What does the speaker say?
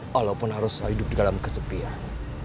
walaupun harus hidup di dalam kesepian